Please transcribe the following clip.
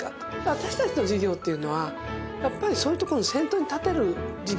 私たちの事業っていうのはやっぱりそういうところに先頭に立てる事業なんですね。